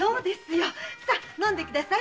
さあ飲んで下さい。